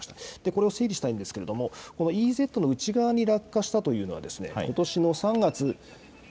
これを整理したいんですけれども、このＥＥＺの内側に落下したというのは、ことし３月。